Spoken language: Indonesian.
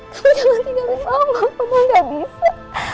kamu jangan tinggalin mama kamu gak bisa